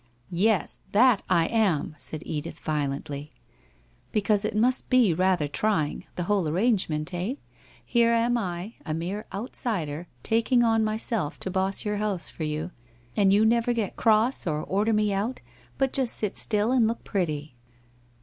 ' Yes, that I am,' said Edith violently. * Because it must be rather trying, the whole arrange ment, eh? Here am I, a mere outsider, taking on myself to boss your house for you, and you never get cross or order me out, but just sit still and look pretty.'